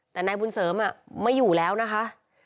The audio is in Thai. แต่นายบุญเสริมไม่อยู่แล้วนะคะ